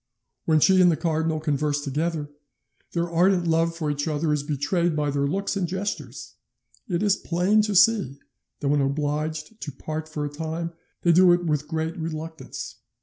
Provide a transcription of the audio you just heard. When she and the cardinal converse together, their ardent love for each other is betrayed by their looks and gestures; it is plain to see that when obliged to part for a time they do it with great reluctance.